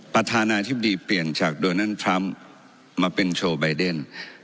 ประธานาธิบดีเปลี่ยนจากโดนัลด์ทรัมป์มาเป็นโชว์ใบเดน